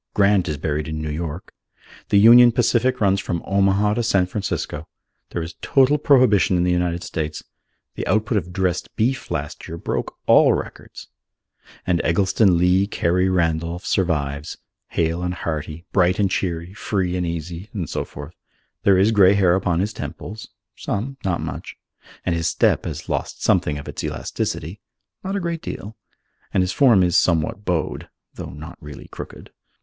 Grant is buried in New York. The Union Pacific runs from Omaha to San Francisco. There is total prohibition in the United States. The output of dressed beef last year broke all records. And Eggleston Lee Carey Randolph survives, hale and hearty, bright and cheery, free and easy and so forth. There is grey hair upon his temples (some, not much), and his step has lost something of its elasticity (not a great deal), and his form is somewhat bowed (though not really crooked).